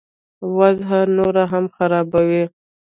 وضع نوره هم خرابوي.